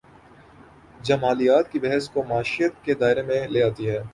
جمالیات کی بحث کو معیشت کے دائرے میں لے آتی ہے۔